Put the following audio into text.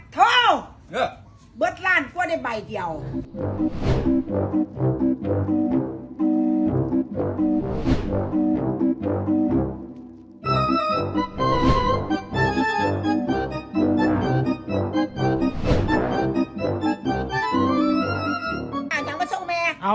ธุรกิร์มนี่เขาล่ะ